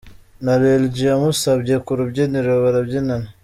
Na Lil G yamusabye ku rubyiniro barabyinana.